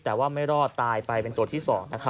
แต่ว่าไม่รอดตายไปเป็นตัวที่๒